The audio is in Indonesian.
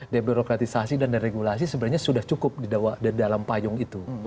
debirokratisasi dan regulasi sebenarnya sudah cukup di dalam payung itu